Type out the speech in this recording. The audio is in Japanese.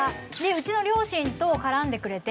うちの両親と絡んでくれて。